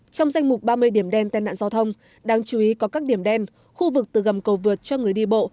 trong danh mục ba mươi điểm đen tai nạn giao thông đáng chú ý có các điểm đen khu vực từ gầm cầu vượt cho người đi bộ